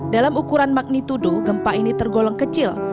dalam ukuran magnitudo gempa ini tergolong kecil